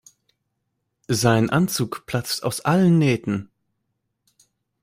Sein Anzug platzt aus allen Nähten.